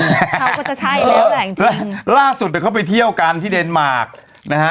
เขาก็จะใช่แล้วแหละจริงจริงล่าสุดเนี่ยเขาไปเที่ยวกันที่เดนมาร์คนะฮะ